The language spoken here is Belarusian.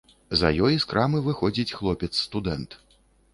За ёй з крамы выходзіць хлопец-студэнт.